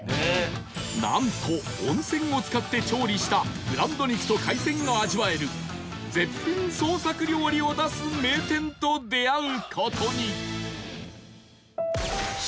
なんと温泉を使って調理したブランド肉と海鮮が味わえる絶品創作料理を出す名店と出会う事に！